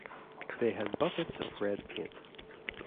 They had buckets of red paint.